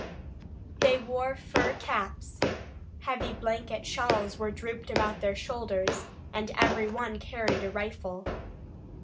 They wore fur caps; heavy blanket shawls were drooped about their shoulders and every one carried a rifle.